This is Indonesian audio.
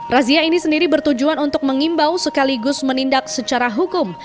razia ini sendiri bertujuan untuk mengimbau sekaligus menindak secara hukum